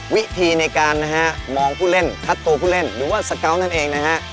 วิธีในการนะฮะมองผู้เล่นคัดตัวผู้เล่นหรือว่าสเกาะนั่นเองนะฮะ